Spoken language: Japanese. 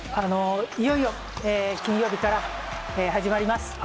いよいよ金曜日から始まります。